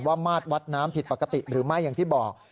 มาดวัดน้ำผิดปกติหรือไม่อย่างที่บอก